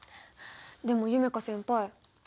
でも夢叶先輩。